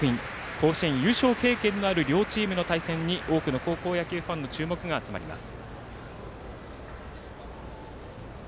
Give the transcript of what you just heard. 甲子園優勝経験のある両チームの戦いに多くの高校野球ファンの注目が集まります。